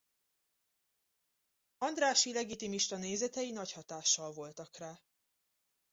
Andrássy legitimista nézetei nagy hatással voltak rá.